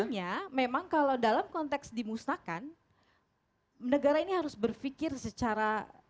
artinya memang kalau dalam konteks dimusnahkan negara ini harus berpikir secara